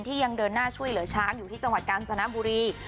ยังเดินหน้าช่วยเหลือช้างอยู่ที่จังหวัดกาญจนบุรี